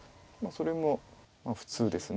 それも普通です